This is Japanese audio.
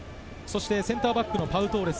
センターバックのパウ・トーレス。